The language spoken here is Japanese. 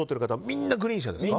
みんなグリーンですか？